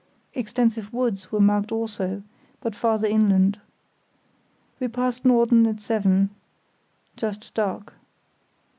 Extensive woods were marked also, but farther inland. We passed Norden at seven, just dark.